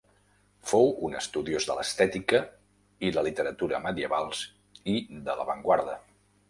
Fou un estudiós de l'estètica i la literatura medievals i de l'avantguarda.